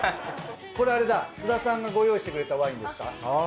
これあれだ須田さんがご用意してくれたワインですか？